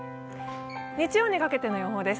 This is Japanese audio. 日曜にかけての予報です。